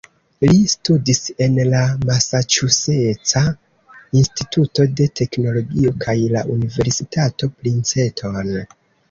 Li studis en la Masaĉuseca Instituto de Teknologio kaj la Universitato Princeton.